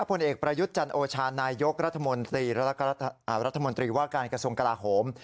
ผลเอกประยุทธ์จันทร์โอชานายยกรัฐมนตรีว่าการกระทรวงกลาโฮม